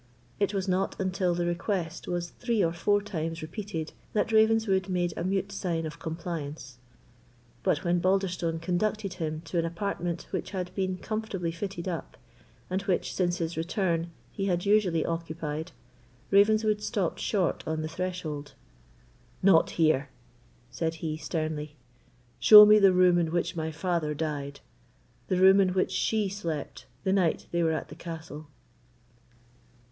It was not until the request was three or four times repeated that Ravenswood made a mute sign of compliance. But when Balderstone conducted him to an apartment which had been comfortably fitted up, and which, since his return, he had usually occupied, Ravenswood stopped short on the threshold. "Not here," said he, sternly; "show me the room in which my father died; the room in which SHE slept the night they were at the castle."